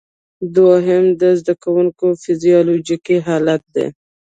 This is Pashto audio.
دوهم د زده کوونکي فزیالوجیکي حالت دی.